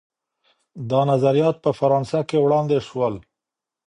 دا نظریات په فرانسه کي وړاندې سول.